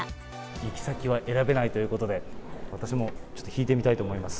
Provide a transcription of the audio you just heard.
行き先は選べないということで、私もちょっと引いてみたいと思います。